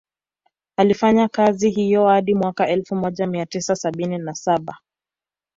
Alifanya kazi hiyo hadi mwaka elfu moja mia tisa sabini na saba